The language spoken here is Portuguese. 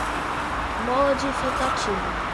modificativo